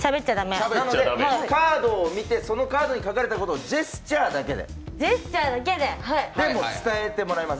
なのでカードを見てそのカードに書かれていることをジェスチャーだけで、でも伝えてもらいます。